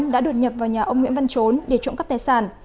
đã đột nhập vào nhà ông nguyễn văn trốn để trộm cắp tài sản